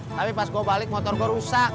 tapi pas gue balik motor gue rusak